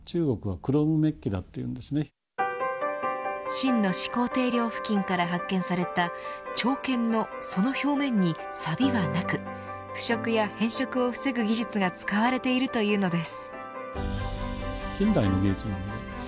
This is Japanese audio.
秦の始皇帝陵付近から発見された長剣のその表面にさびはなく腐食や変色を防ぐ技術が使われているというのです。